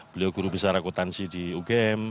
beliau guru besar akutansi di ugm